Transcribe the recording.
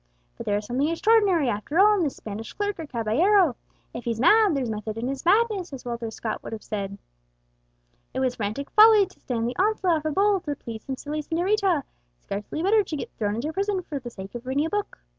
"But there is something extraordinary after all in this Spanish clerk or caballero. If he's mad, 'there's method in his madness,' as Walter Scott would have said. It was frantic folly to stand the onslaught of a bull to please some silly señorita; scarcely better to get thrown into prison for the sake of reading a book.